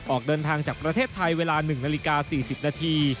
ออกเดินทางจากประเทศไทยเวลา๑นาฬิกา๔๐นาที